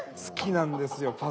好きなんですよ